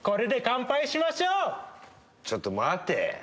ちょっと待て。